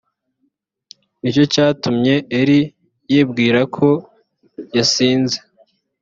ni cyo cyatumye eli yibwira ko yasinze